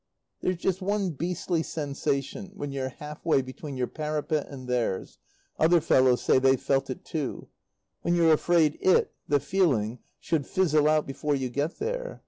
There's just one beastly sensation when you're half way between your parapet and theirs other fellows say they've felt it too when you're afraid it (the feeling) should fizzle out before you get there.